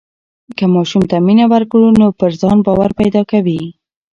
که ماشوم ته مینه ورکړو نو پر ځان باور پیدا کوي.